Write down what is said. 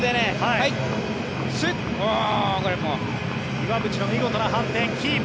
岩渕の見事な反転キープ。